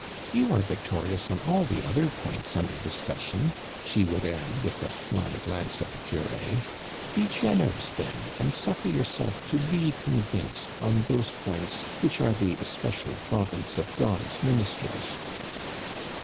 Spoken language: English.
You are victorious on all the other points under discussion," she would add, with a sly glance at the curé ;" be generous, then, and suffer yourself to be convinced on those points which are the especial province of God's ministers."